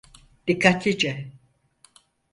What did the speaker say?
Dikkatlice.